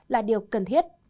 là điều cần thiết